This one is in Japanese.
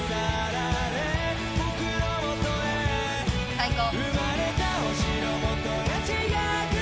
最高。